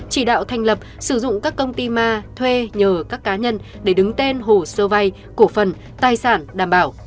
chỉ đạo thành lập sử dụng các công ty ma thuê nhờ các cá nhân để đứng tên hồ sơ vay cổ phần tài sản đảm bảo